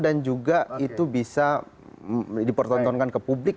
dan juga itu bisa dipertontonkan ke publik